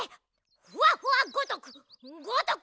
ふわふわごとく。